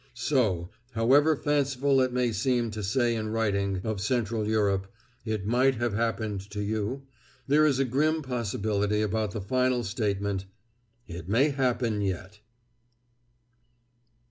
So, however fanciful it may seem to say in writing of Central Europe, "It might have happened to you," there is a grim possibility about the final statement, "It may happen yet."